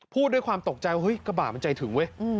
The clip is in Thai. พูดด้วยความตกใจว่าเฮ้ยกระบาดมันใจถึงเว้ย